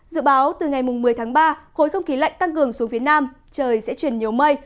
dự báo từ ngày một mươi tháng ba khối không khí lạnh tăng cường xuống phía nam trời sẽ chuyển nhiều mây